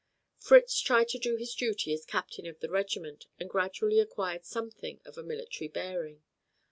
Fritz tried to do his duty as captain of the regiment, and gradually acquired something of a military bearing.